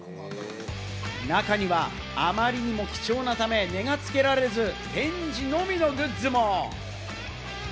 中には、あまりにも貴重なため値がつけられず、展示のみのグッズも。